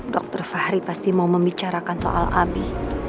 dokter fahri pasti mau membicarakan soal abi